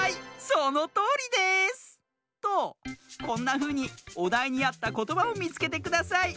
そのとおりです！とこんなふうにおだいにあったことばをみつけてください。